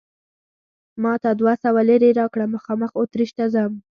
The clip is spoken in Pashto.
ما ته دوه سوه لیرې راکړه، مخامخ اتریش ته ځم.